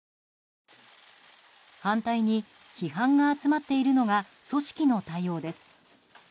反対に批判が集まっているのが組織の対応です。